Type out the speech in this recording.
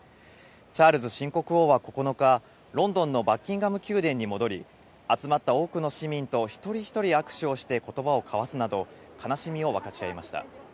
チャールズ新国王は９日、ロンドンのバッキンガム宮殿に戻り、集まった多くの市民と一人一人握手をして、ことばを交わすなど、悲しみを分かちました。